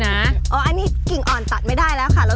อันนี้กิ่งอ่อนตัดไม่ได้แล้วค่ะ